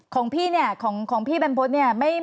ของพี่เนี่ยของพี่แบมพจน์เนี่ย